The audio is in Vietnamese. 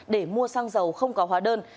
để mua xăng dầu không có hóa đơn